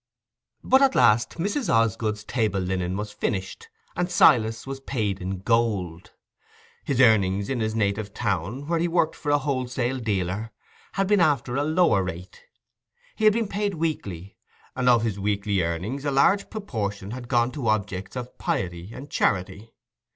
But at last Mrs. Osgood's table linen was finished, and Silas was paid in gold. His earnings in his native town, where he worked for a wholesale dealer, had been after a lower rate; he had been paid weekly, and of his weekly earnings a large proportion had gone to objects of piety and charity.